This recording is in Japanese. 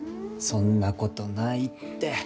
そんなことないって。